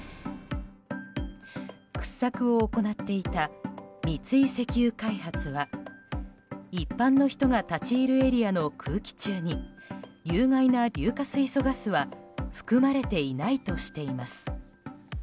掘削を行っていた三井石油開発は一般の人が立ち入るエリアの空気中に有害な硫化水素ガスは含まれていないとしています。